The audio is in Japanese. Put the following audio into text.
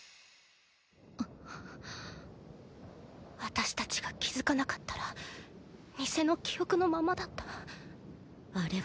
私たちが気付かなかったら偽の記憶のままだった。